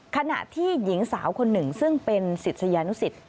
ขณะที่หญิงสาวคนหนึ่งซึ่งเป็นศิษยานุสิต